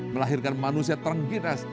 melahirkan manusia terginas